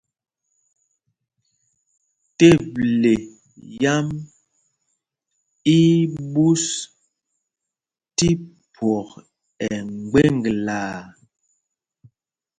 Teble yám í í ɓūs tí phwɔk ɛ mgbeŋglaa.